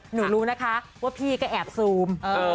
หนูรู้นะคะว่าพี่ก็แอบซูม